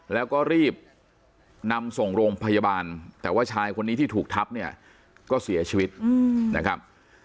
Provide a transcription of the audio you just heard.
แล้วก็รีบนำส่งโรงพยาบาลแต่ว่าชายคนนี้ที่ถูกทับเนี่ยก็เสียชีวิตนะครับ